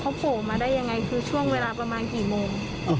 เขาโผล่มาได้ยังไงคือช่วงเวลาประมาณกี่โมง